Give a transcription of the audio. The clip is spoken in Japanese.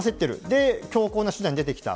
で、強硬な手段に出てきた。